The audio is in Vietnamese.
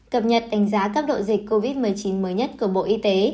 cập nhật đánh giá cấp độ dịch covid một mươi chín mới nhất của bộ y tế